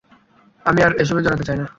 আমি আর এসবে জড়াতে চাইনা।